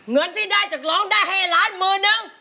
เงินที่ได้จากร้องได้ให้ล้านมือนึง